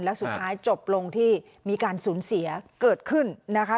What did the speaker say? แล้วสุดท้ายจบลงที่มีการสูญเสียเกิดขึ้นนะคะ